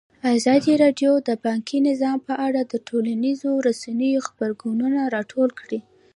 ازادي راډیو د بانکي نظام په اړه د ټولنیزو رسنیو غبرګونونه راټول کړي.